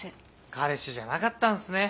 彼氏じゃなかったんすね。